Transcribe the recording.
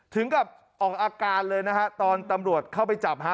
ถึงกับออกอาการเลยนะฮะตอนตำรวจเข้าไปจับฮะ